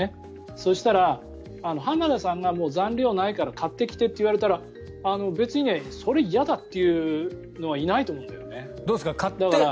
そうしたら、浜田さんが残量がないから買ってきてって言われたら別にそれ嫌だというのはいないと思うんだよね。